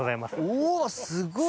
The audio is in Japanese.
おすごい。